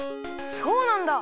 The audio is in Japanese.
そうなんだ！